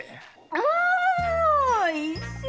あおいしい！